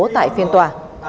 tại phiên tòa